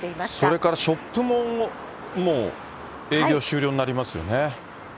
それからショップももう営業終了になりますよね。